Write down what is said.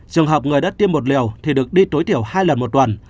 trường hợp người đã tiêm một liều thì được đi tối thiểu hai lần một tuần